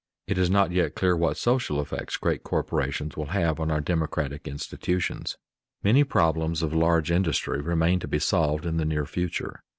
It is not yet clear what social effects great corporations will have on our democratic institutions. Many problems of large industry remain to be solved in the near future.